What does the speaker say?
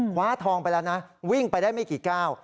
คว้าทองไปแล้วนะวิ่งไปได้ไม่กี่ก้าว